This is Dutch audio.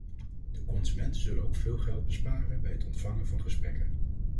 De consumenten zullen ook veel geld besparen bij het ontvangen van gesprekken.